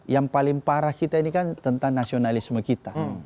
yang paling parah kita ini kan tentang nasionalisme kita